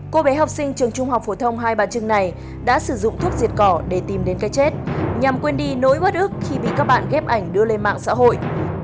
cô bé học sinh trường trung học phổ thông hai bà trưng này đã sử dụng thuốc diệt cỏ để tìm đến cái chết nhằm quên đi nỗi bất ức khi bị các bạn ghép ảnh đưa lên mạng xã hội